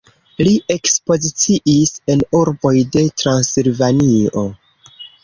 Li ekspoziciis en urboj de Transilvanio.